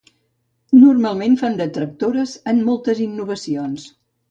Normalment fan de tractores en moltes innovacions.